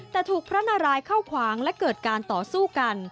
แต่ถูกพระนารายเข้าขวางและเกิดการต่อสู้กัน